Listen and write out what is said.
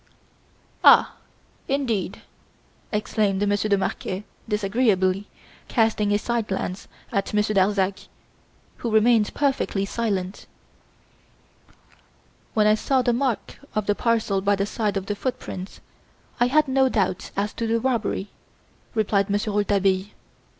"Ah, Indeed!" exclaimed Monsieur de Marquet, disagreeably, casting a side glance at Monsieur Darzac, who remained perfectly silent. "When I saw the mark of the parcel by the side of the footprints, I had no doubt as to the robbery," replied Monsieur Rouletabille.